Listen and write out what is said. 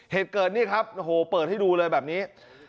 เหตุเกิดนี่ครับโอ้โหเปิดให้ดูเลยแบบนี้